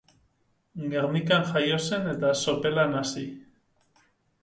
Gernikan jaio zen eta Sopelan hazi.